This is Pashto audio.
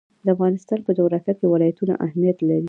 د افغانستان په جغرافیه کې ولایتونه اهمیت لري.